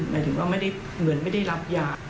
หมายถึงว่าเหมือนไม่ได้รับยา